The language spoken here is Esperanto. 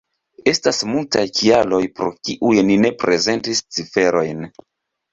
Estas multaj kialoj, pro kiuj ni ne prezentis ciferojn.